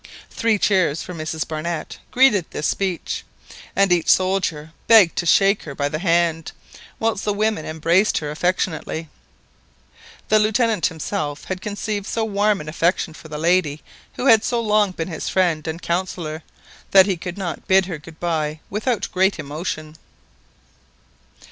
Three cheers for Mrs Barnett greeted this speech, and each soldier begged to shake her by the hand, whilst the women embraced her affectionately. The Lieutenant himself had conceived so warm an affection for the lady who had so long been his friend and counsellor, that he could not bid her good bye without great emotion.